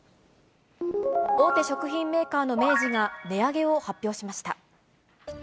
大手食品メーカーの明治が、値上げを発表しました。